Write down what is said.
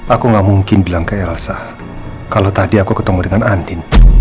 aku gak mungkin bilang kayak elsa kalau tadi aku ketemu dengan andin